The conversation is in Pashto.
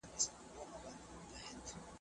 توپاني سوه ډوبېدو ته سوه تیاره